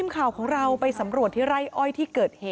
ก็เร